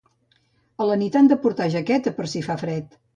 A la nit han de portar una jaqueta per si fa fred.